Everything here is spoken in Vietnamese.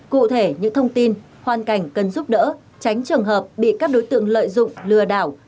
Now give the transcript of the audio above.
cụ thể những thông tin hoàn cảnh cần giúp đỡ tránh trường hợp bị các đối tượng lợi dụng lừa đảo